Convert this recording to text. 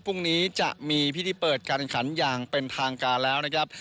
พรุ่งนี้จะมีพิธีเปิดการแข่งขันอย่างเป็นทางการแล้วนะครับ